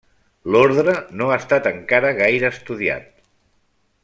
L'ordre no ha estat encara gaire estudiat.